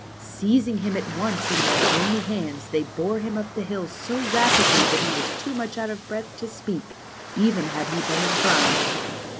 Seizing him at once in their bony hands they bore him up the hill so rapidly that he was too much out of breath to speak, even had he been inclined.